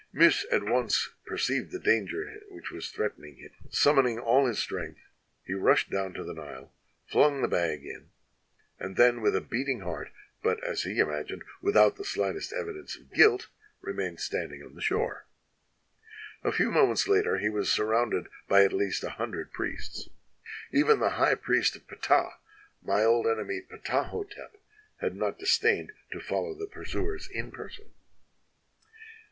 "Miis at once perceived the danger which was threat ening him. Summoning all his strength he rushed down to the Nile, flung the bag in, and then with a beating heart, but as he imagined without the slightest evidence of guilt, remained standing on the shore. A few mo ments later he was surrounded by at least a hundred priests. "Even the high priest of Ptah, my old enemy Ptaho tep, had not disdained to follow the pursuers in person.